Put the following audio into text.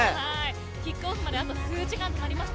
キックオフまであと数時間となりました。